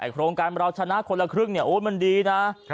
โครงการเราชนะคนละครึ่งมันดีนะ